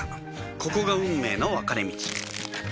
ここが運命の分かれ道